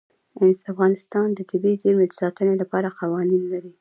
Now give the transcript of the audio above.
افغانستان د طبیعي زیرمې د ساتنې لپاره قوانین لري.